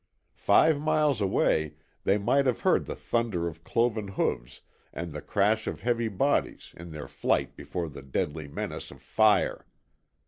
Five miles away they might have heard the thunder of cloven hoofs and the crash of heavy bodies in their flight before the deadly menace of fire.